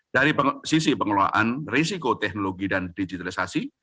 dari sisi pengelolaan risiko teknologi dan digitalisasi